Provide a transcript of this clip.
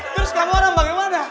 terus kamu orang bagaimana